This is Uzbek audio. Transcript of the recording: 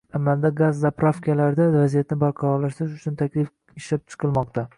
Amalda “gaz zapravka”larda vaziyatni barqarorlashtirish uchun taklif ishlab chiqilmoqda.